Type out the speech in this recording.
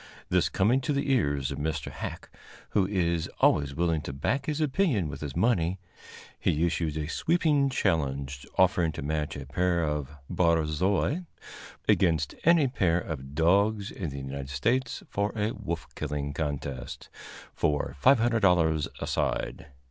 This coming to the ears of Mr. Hacke, who is always willing to back his opinion with his money, he issued a sweeping challenge offering to match a pair of barzois against any pair of dogs in the United States for a wolf killing contest, for $500 a side.